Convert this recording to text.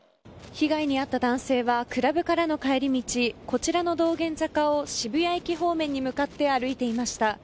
被害に遭った男性はクラブからの帰り道こちらの道玄坂を渋谷駅方面に向かって歩いていました。